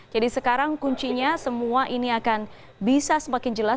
jadi sekarang kuncinya semua ini akan bisa semakin jelas